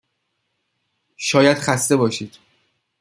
شاید خسته باشید.